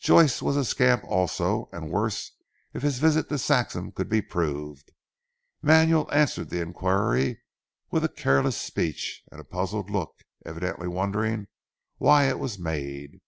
Joyce was a scamp also and worse if his visit to Saxham could be proved. Manuel answered the inquiry with a careless speech and a puzzled look, evidently wondering why it was made.